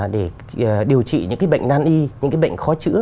để điều trị những bệnh nan y những cái bệnh khó chữa